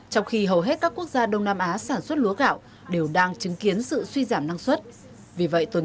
trong khi hầu hết các quốc gia đông nam á sản xuất lúa gạo đều đang chứng kiến sự suy giảm năng suất